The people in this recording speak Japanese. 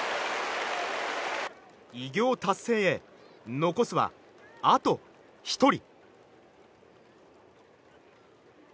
偉業達成へ残すはあと１人。